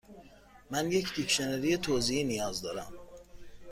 من یک دیکشنری توضیحی نیاز دارم.